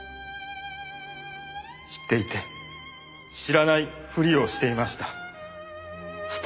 知っていて知らないふりをしていました。